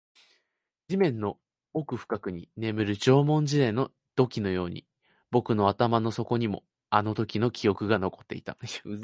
地面の奥深くに眠る縄文時代の土器のように、僕の頭の底にもあのときの記憶が残っていた